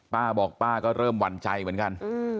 ป้าบอกป้าก็เริ่มหวั่นใจเหมือนกัน